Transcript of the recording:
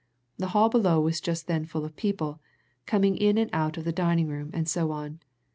The hall below was just then full of people coming in and out of the dining room and so on.